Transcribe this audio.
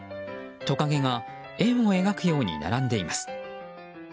トカゲが円を描くように並んでいます。